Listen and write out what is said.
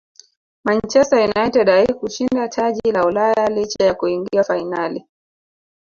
manchester united haikushinda taji la ulaya licha ya kuingia fainali